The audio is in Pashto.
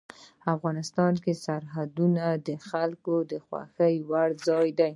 افغانستان کې سرحدونه د خلکو د خوښې وړ ځای دی.